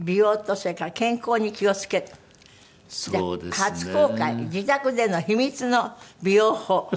初公開自宅での秘密の美容法。